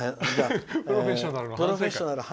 「プロフェッショナル」の。